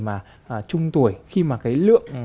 mà trung tuổi khi mà cái lượng